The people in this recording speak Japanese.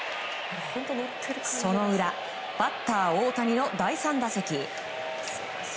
その裏、バッター大谷の第３打席。